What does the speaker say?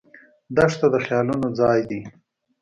دښته د خیالونو ځای دی.